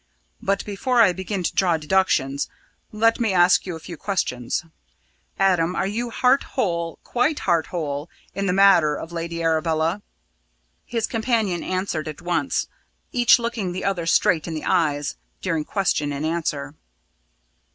But, before I begin to draw deductions, let me ask you a few questions. Adam, are you heart whole, quite heart whole, in the matter of Lady Arabella?" His companion answered at once, each looking the other straight in the eyes during question and answer.